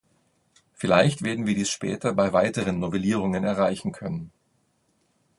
Vielleicht werden wir dies später bei weiteren Novellierungen erreichen können.